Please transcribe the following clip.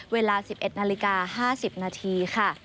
เวลา๑๑นาฬิกา๕๐นาทีค่ะ